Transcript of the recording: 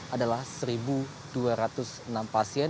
adalah satu dua ratus enam pasien